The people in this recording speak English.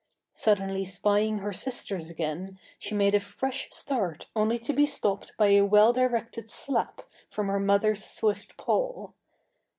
Suddenly spying her sisters again, she made a fresh start only to be stopped by a well directed slap from her mother's swift paw.